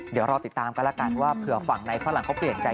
เดี๋ยวรอติดตามกันแล้วกันว่าเผื่อฝั่งในฝรั่งเขาเปลี่ยนใจ